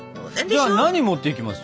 じゃあ何持っていきます？